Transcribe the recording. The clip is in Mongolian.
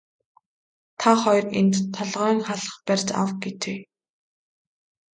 Та хоёр энд толгойн халх барьж ав гэжээ.